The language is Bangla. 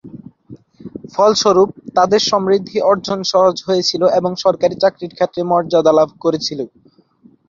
ফলস্বরূপ, তাদের সমৃদ্ধি অর্জন সহজ হয়েছিল এবং সরকারি চাকরির ক্ষেত্রে মর্যাদা লাভ করেছিল।